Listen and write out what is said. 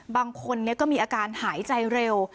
บางคนก็มีอาการหายใจเร็ว